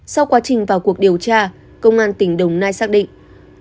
sau quá trình vào cuộc điều tra công an tỉnh đồng nai xác định